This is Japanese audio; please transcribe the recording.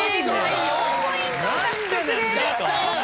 ４ポイント獲得です。